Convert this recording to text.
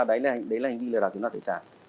đấy là hành vi lừa đảo kiểm tra tài sản